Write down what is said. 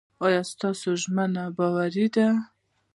ایا ستاسو ژمنه باوري ده؟